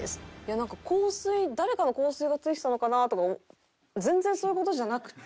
なんか香水誰かの香水が付いてたのかなとか全然そういう事じゃなくて？